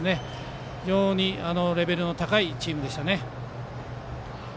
非常にレベルの高いチームでした。